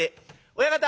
「親方」。